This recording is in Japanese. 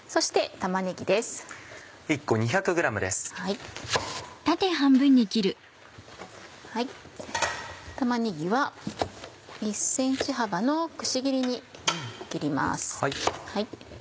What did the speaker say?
玉ねぎは１ｃｍ幅のくし切りに切ります。